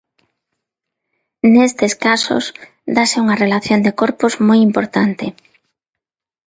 Nestes casos, dáse unha relación de corpos moi importante.